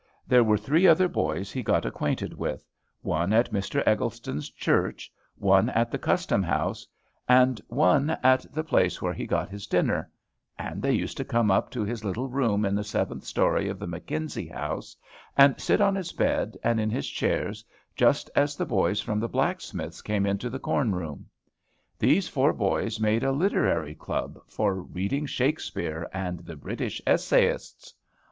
There were three other boys he got acquainted with, one at Mr. Eggleston's church, one at the Custom House, and one at the place where he got his dinner, and they used to come up to his little room in the seventh story of the McKenzie House, and sit on his bed and in his chairs, just as the boys from the blacksmith's came into the corn room. These four boys made a literary club "for reading Shakespeare and the British essayists."